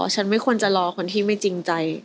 ฉันไม่ควรจะรอคนที่ไม่จริงใจ